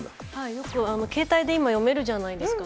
携帯で今読めるじゃないですか。